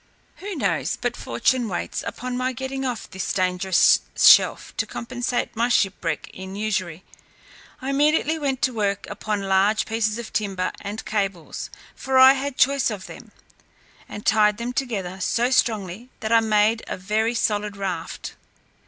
Who knows but fortune waits, upon my getting off this dangerous shelf, to compensate my shipwreck with usury." I immediately went to work upon large pieces of timber and cables, for I had choice of them, and tied them together so strongly, that I soon made a very solid raft.